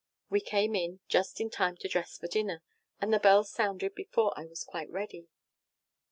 We came in just in time to dress for dinner, and the bell sounded before I was quite ready.